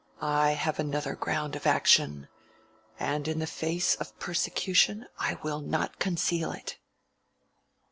I have another ground of action, and in the face of persecution I will not conceal it."